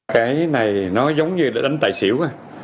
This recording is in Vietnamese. cái này nó giống như đánh tài xỉu